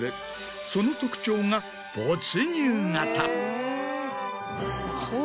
その特徴が没入型。